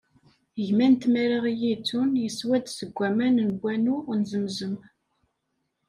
Gma n tmara i iyi-ittun, yeswa-d seg waman n wanu n Zemzem.